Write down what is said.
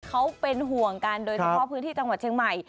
เขาเป็นห่วงกันโดยเฉพาะพื้นที่จังหวัดเชียงใหม่